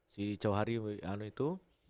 si jauhari itu